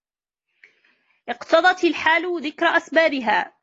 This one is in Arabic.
اقْتَضَتْ الْحَالُ ذِكْرَ أَسْبَابِهَا